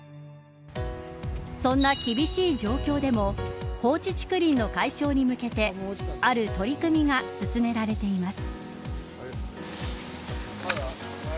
そんな厳しい状況でも放置竹林の解消に向けてある取り組みが進められています。